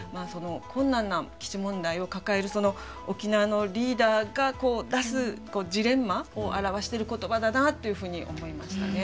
困難な基地問題を抱える沖縄のリーダーがこう出すジレンマを表してる言葉だなというふうに思いましたね。